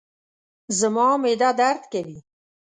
زما معده درد کوي